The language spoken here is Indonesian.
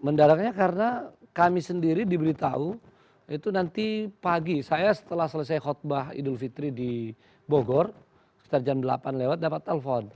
mendalangnya karena kami sendiri diberitahu itu nanti pagi saya setelah selesai khutbah idul fitri di bogor sekitar jam delapan lewat dapat telpon